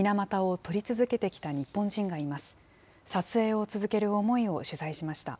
撮影を続ける思いを取材しました。